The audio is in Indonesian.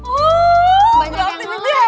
oh berarti bibi hebat fotonya sih